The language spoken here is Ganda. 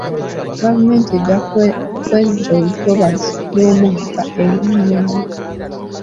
Gavumenti ejja kwezza olutobazi lw'omugga Enyau.